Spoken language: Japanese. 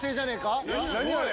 何あれ？